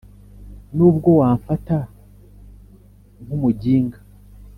Nubwo wamfata nkumuginga